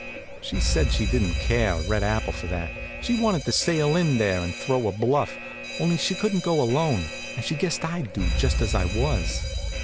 She said she didn't care a red apple for that. She wanted to sail in there and throw a bluff, only she couldn't go alone, and she guessed I'd do just as I was.